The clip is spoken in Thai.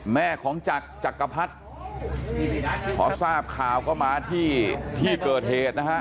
แม่ของจักรจักรพรรดิพอทราบข่าวก็มาที่ที่เกิดเหตุนะฮะ